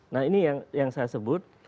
nah ini yang saya sebut